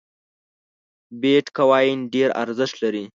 بیټ کواین ډېر ارزښت لري